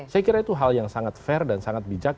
saya kira itu hal yang sangat fair dan sangat bijak